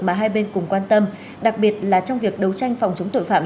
mà hai bên cùng quan tâm đặc biệt là trong việc đấu tranh phòng chống tội phạm